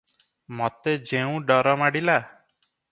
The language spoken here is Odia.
ମୋତେ ଯେଉଁ ଡର ମାଡ଼ିଲା?